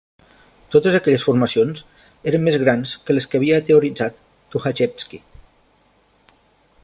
Totes aquelles formacions eren més grans que les que havia teoritzat Tukhatxevski.